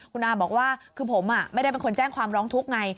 คุณอาบอกว่าคือผมไม่ได้เป็นคนแจ้งความร้องทุกข์ไง